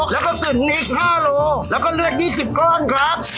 แล้วก็ตื่นอีก๕ลิตรแล้วก็เลือด๒๐ก้อนครับ